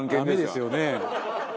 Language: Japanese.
ダメですよね。